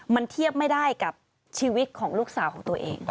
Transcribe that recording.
มันเทียบไม่ได้กับชีวิตของลูกสาวของตัวเอง